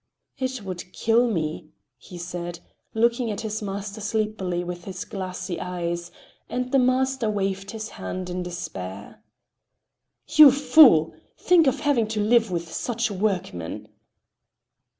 "It would kill me," he said, looking at his master sleepily with his glassy eyes, and the master waved his hand in despair. "You fool! Think of having to live with such workmen!"